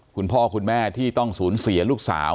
คุณพ่อคุณแม่ที่ต้องสูญเสียลูกสาว